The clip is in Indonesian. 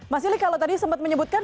mas ili kalau tadi sempat menyebutkan